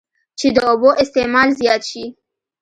چې د اوبو استعمال زيات شي